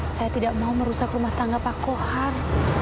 saya tidak mau merusak rumah tangga pak kohar